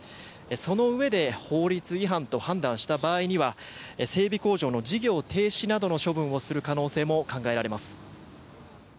そのうえで法律違反と判断した場合には整備工場の事業停止などの処分をする可能性なども考えられます。